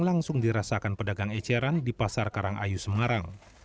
langsung dirasakan pedagang eceran di pasar karangayu semarang